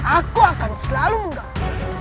aku akan selalu mengganggu